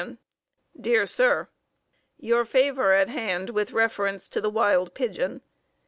Dear Sir: Your favor at hand with reference to the wild pigeon.